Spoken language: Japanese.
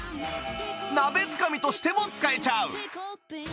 鍋つかみとしても使えちゃう！